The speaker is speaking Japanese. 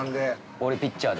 ◆俺ピッチャーで。